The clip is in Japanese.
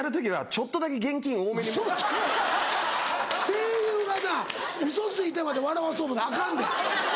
声優がなウソついてまで笑わそう思うたらアカンで。